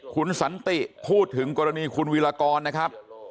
คุณสันติพูดถึงกรณีคุณวิรากรนะครับ